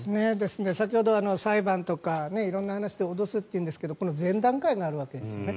先ほど、裁判とか色んな話で脅すというんですけど前段階があるわけですよね。